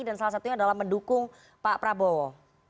dan salah satunya adalah mendukung pak prabowo